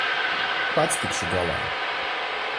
Pats tikšu galā.